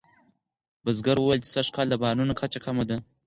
بزګر وویل چې سږکال د بارانونو کچه کمه وه.